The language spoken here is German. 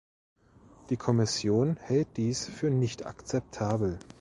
Die Kommission hält dies für nicht akzeptabel.